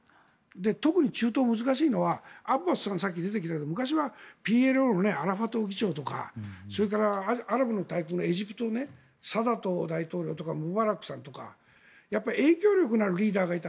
特に中東が難しいのはアッバスさんさっき出てきたけど昔はＰＬＯのアラファト議長とかアラブの大国、エジプトの大統領とかムバラクさんとか影響力のあるリーダーがいた。